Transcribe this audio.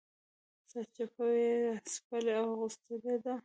سرچپه یې څپلۍ اغوستلي دي